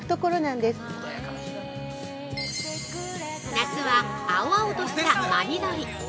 ◆夏は、青々とした真緑。